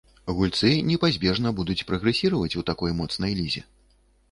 Гульцы непазбежна будуць прагрэсіраваць у такой моцнай лізе.